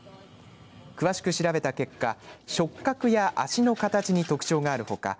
詳しく調べた結果触覚や脚の形に特徴があるほか